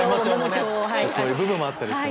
そういう部分もあったりして。